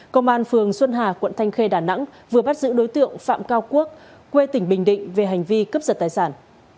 công an phường xuân hà quận thanh khê đà nẵng vừa bắt giữ đối tượng phạm cao quốc quê tỉnh bình định về hành vi cướp giật tài sản